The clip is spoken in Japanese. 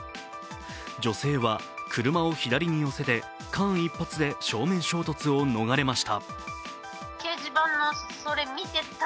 女性は車を左に寄せて間一髪で正面衝突を逃れました。